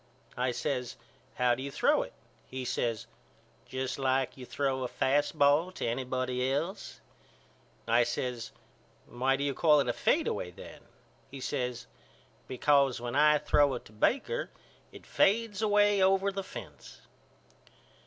I says How do you throw it? He says Just like you throw a fast ball to anybody else. I says Why do you call it a fadeaway then? He says Because when I throw it to Baker it fades away over the fence.